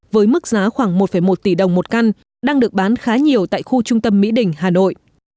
với mức giá khoảng một một tỷ đồng một căn đang được bán khá nhiều tại khu trung tâm mỹ đình hà nội